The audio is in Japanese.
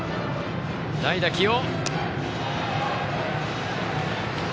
代打起用！